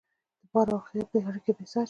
د باور او خیال اړیکه بېساري ده.